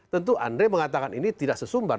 tentu andre mengatakan ini tidak sesumbar